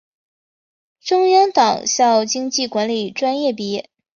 中央党校经济管理专业毕业。